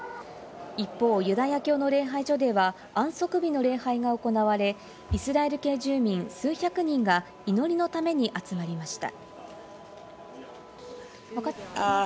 一方、ユダヤ教の礼拝所では安息日の礼拝が行われ、イスラエル系住民、数百人が祈りのために集まりました。